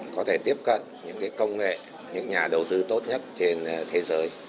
có thể tiếp cận những công nghệ những nhà đầu tư tốt nhất trên thế giới